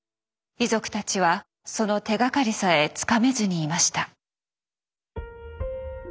遺族たちはその手がかりさえつかめずにいました。